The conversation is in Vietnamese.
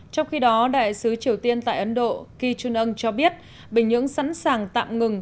trong khi đó đại sứ triều tiên tại ấn độ ki chun ang cho biết bình nhưỡng sẵn sàng tạm ngừng